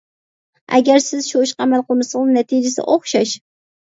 ئەگەر سىز شۇ ئىشقا ئەمەل قىلمىسىڭىز نەتىجىسى ئوخشاش.